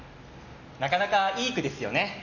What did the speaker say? なかなかいい句ですよね。